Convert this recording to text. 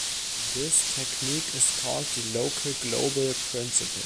This technique is called the local-global principle.